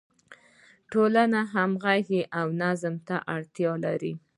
ټولنه همغږي او نظم ته اړتیا لري.